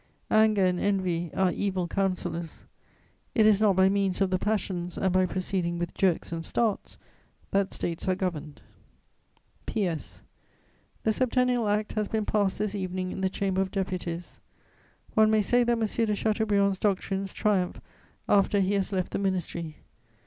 "Anger and envy are evil counsellors; it is not by means of the passions and by proceeding with jerks and starts that States are governed. "P.S. The Septennial Act has been passed this evening in the Chamber of Deputies. One may say that M. de Chateaubriand's doctrines triumph after he has left the Ministry.